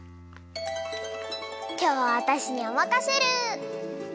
きょうはわたしにおまかシェル。